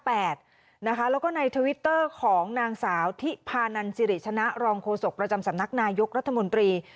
แล้วก็ในทวิตเตอร์ของนางสาวทิพานันสิริชนะรองโฆษกประจำสำนักนายกรัฐมนตรี